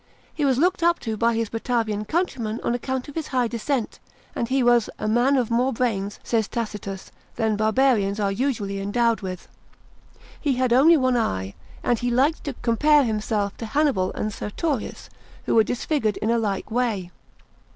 He was looked up to by his Baiavian countrymen on account of his high descent, and he was "a man of more brains," says Tacitus, "than barbarians are usually endowed with." He had only one eye, and he liked to compare himself to Hann'bal and Sertorius, who were disfigured in a like way.